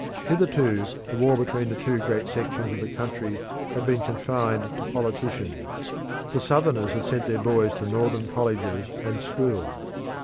Hitherto the war between the two great sections of the country had been confined to politicians. The Southerners had sent their boys to Northern colleges and schools.